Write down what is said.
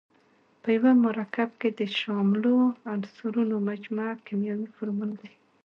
په یوه مرکب کې د شاملو عنصرونو مجموعه کیمیاوي فورمول دی.